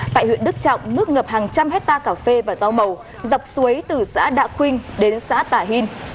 tại huyện đức trọng nước ngập hàng trăm hectare cà phê và rau màu dọc suối từ xã đạ quynh đến xã tà hìn